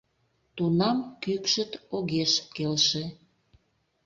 — Тунам кӱкшыт огеш келше.